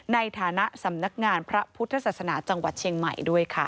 ในฐานะสำนักงานพระพุทธศาสนาจังหวัดเชียงใหม่ด้วยค่ะ